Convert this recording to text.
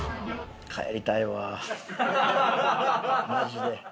帰りたいわマジで。